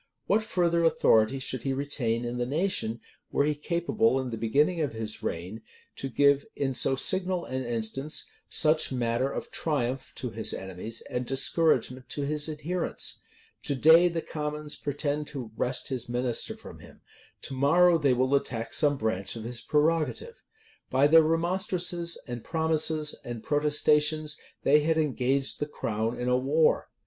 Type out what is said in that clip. What further authority should he retain in the nation, were he capable, in the beginning of his reign, to give, in so signal an instance, such matter of triumph to his enemies, and discouragement to his adherents? To day the commons pretend to wrest his minister from him: to morrow they will attack some branch of his prerogative. By their remonstrances, and promises, and protestations, they had engaged the crown in a war.